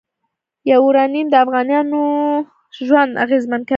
یورانیم د افغانانو ژوند اغېزمن کوي.